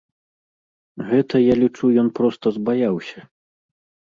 Гэта, я лічу, ён проста збаяўся.